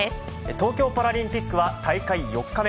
東京パラリンピックは、大会４日目。